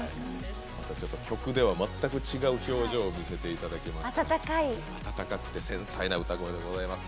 曲では全く違う表情を見せていただけます。